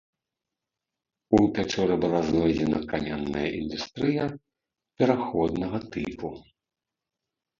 У пячоры была знойдзена каменная індустрыя пераходнага тыпу.